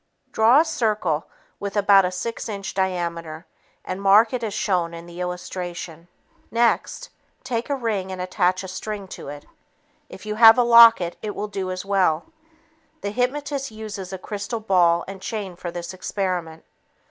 Draw a circle with about a six inch diameter and mark it as shown in the illustration. Next, take a ring and attach a string to it. If you have a locket, it will do as well. The hypnotist uses a crystal ball and chain for this experiment.